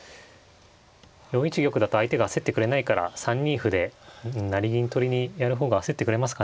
４一玉だと相手が焦ってくれないから３二歩で成銀取りにやる方が焦ってくれますかね。